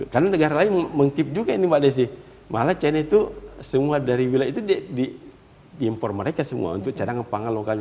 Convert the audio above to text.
karena negara lain mengkip juga ini mbak desi malah china itu semua dari wilayah itu diimpor mereka semua untuk cadangan pangan lokalnya